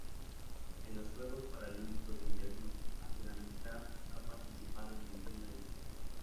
En los Juegos Paralímpicos de Invierno Afganistán no ha participado en ninguna edición.